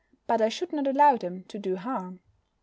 But I should not allow them to do harm.